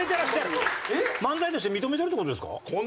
漫才として認めてるって事ですか？